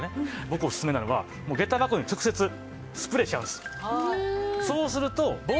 僕オススメなのは下駄箱に直接スプレーしちゃうんです。